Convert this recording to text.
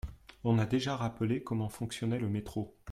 On a déjà rappelé comment fonctionnait le métro.